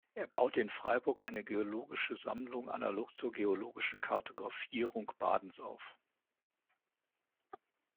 Er baute in Freiburg eine Geologische Sammlung analog zur geologischen Kartografierung Badens auf.